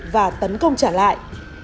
và tấn công trả lại